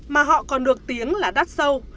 mà họ còn được tiếng là đắt sâu